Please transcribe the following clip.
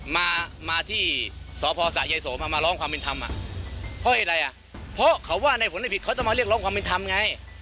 มามาที่สพสะยายโสมามาร้องความเป็นธรรมอ่ะเพราะอะไรอ่ะเพราะเขาว่าในผลผิดเขาจะมาเรียกร้องความเป็นธรรมไง